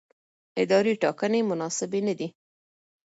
اداري ټاکنې مناسبې نه دي.